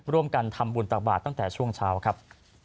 ร่วมกันทำบุญตักบาทตั้งแต่ช่วงเช้าครับ